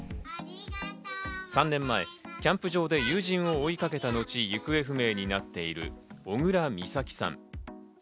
３年前、キャンプ場で友人を追いかけた後、行方不明になっている小倉美咲さん。